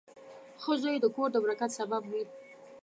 • ښه زوی د کور د برکت سبب وي.